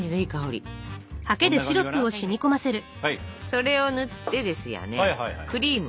それを塗ってですよねクリーム。